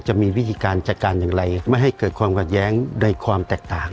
จะมีวิธีการจัดการอย่างไรไม่ให้เกิดความขัดแย้งในความแตกต่าง